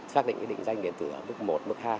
xác định định danh điện tử bước một bước hai